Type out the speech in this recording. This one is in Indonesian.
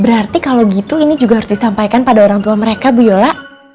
berarti kalau gitu ini juga harus disampaikan pada orang tua mereka bu yola